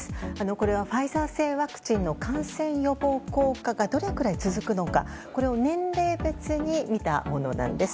これはファイザー製ワクチンの感染予防効果がどれくらい続くのかを年齢別に見たものなんです。